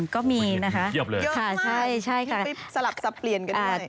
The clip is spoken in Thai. ก็มีนะคะเยอะมากไปสลับสับเปลี่ยนกันด้วย